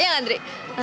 ya gak indri